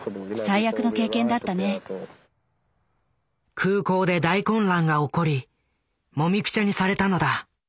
空港で大混乱が起こりもみくちゃにされたのだ。